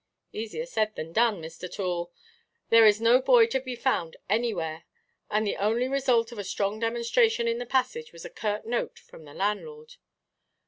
Easier said than done, Mr. Toole. There was no boy to be found anywhere; and the only result of a strong demonstration in the passage was a curt note from the landlord.